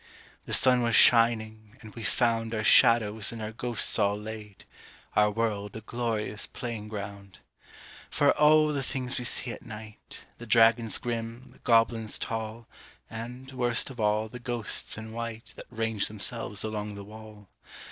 The sun was shining, and we found Our shadows and our ghosts all laid, Our world a glorious playing ground. For O! the things we see at night The dragons grim, the goblins tall, And, worst of all, the ghosts in white That range themselves along the wall!